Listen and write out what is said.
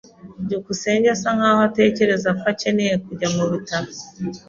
byukusenge asa nkaho atekereza ko akeneye kujya mubitaro.